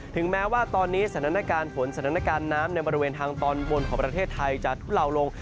ถึงแม้ว่าตอนนี้สถานการณ์ฝนสถานการณ์น้ำในบริเวณทางตอนบนของประเทศไทยจะทุเลาลง